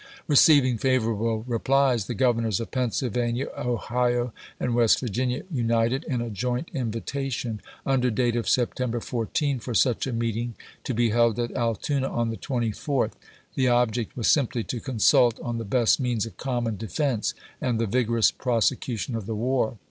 " Receiving favorable replies, the Governors of Pennsylvania, Ohio, and West Virginia united in a joint invitation, under date of September 14, for such a meeting to be held at Altoona on the 24th. The object was simply to consult on the best means of common defense and the vigorous prosecution of the war.